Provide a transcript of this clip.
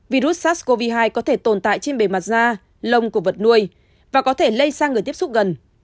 virus sars cov hai có thể tồn tại trên bề mặt da lông của vật nuôi và có thể lây sang người tiếp xúc gần